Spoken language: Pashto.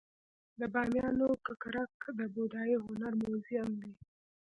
د بامیانو ککرک د بودايي هنر موزیم دی